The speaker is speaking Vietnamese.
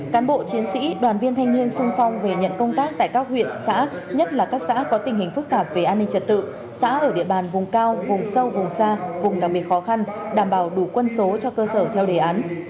cán bộ chiến sĩ đoàn viên thanh niên sung phong về nhận công tác tại các huyện xã nhất là các xã có tình hình phức tạp về an ninh trật tự xã ở địa bàn vùng cao vùng sâu vùng xa vùng đặc biệt khó khăn đảm bảo đủ quân số cho cơ sở theo đề án